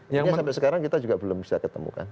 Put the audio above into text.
ini sampai sekarang kita juga belum bisa ketemukan